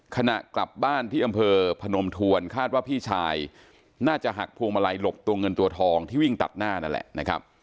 ขณะกลับบ้านที่อำเภอพนมทวนคาดว่าพี่ชายน่าจะหักพวงมาลัยหลบตัวเงินตัวทองที่วิ่งตัดหน้านั่นแหละนะครับ